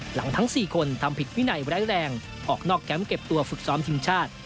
ทั้ง๔คนทำผิดวินัยร้ายแรงออกนอกแคมป์เก็บตัวฝึกซ้อมทีมชาติ